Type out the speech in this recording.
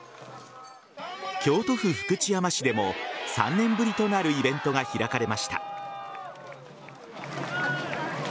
京都府福知山市でも３年ぶりとなるイベントが開かれました。